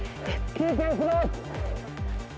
休憩します！